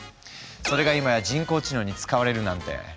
それが今や人工知能に使われるなんて。